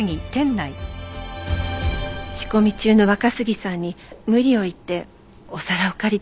仕込み中の若杉さんに無理を言ってお皿を借りて。